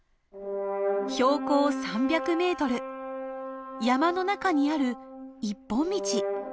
標高３００メートル山の中にある一本道。